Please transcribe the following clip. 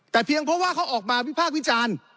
แต่เพียงเพราะว่าเขาออกมาวิพากษ์วิจารณ์